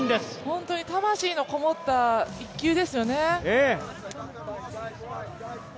本当に魂のこもった一球ですよね。